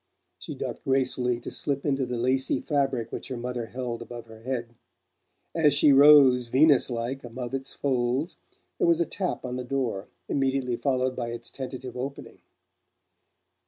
She ducked gracefully to slip into the lacy fabric which her mother held above her head. As she rose Venus like above its folds there was a tap on the door, immediately followed by its tentative opening.